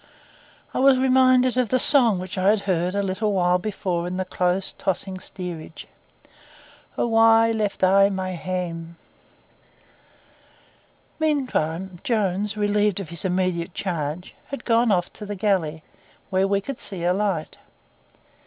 I was reminded of the song which I had heard a little while before in the close, tossing steerage: 'O why left I my hame?' Meantime Jones, relieved of his immediate charge, had gone off to the galley, where we could see a light.